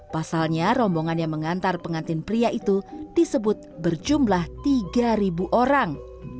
pasalnya rombongan yang mengantar pengantin pria itu disebut berjumlah tiga orang